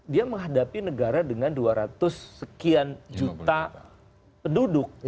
dia menghadapi negara dengan dua ratus sekian juta penduduk